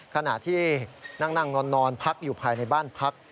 ขณะที่นั่งนอนพักอยู่ภายในบ้านพัก